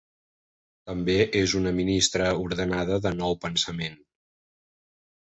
També és una ministra ordenada de Nou Pensament.